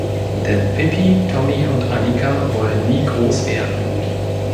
Denn Pippi, Tommy und Annika wollen nie groß werden.